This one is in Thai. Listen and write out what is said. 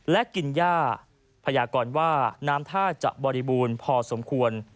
และกินย่าพยากรว่าน้ำท่าจะบริบูรณ์พอสมควร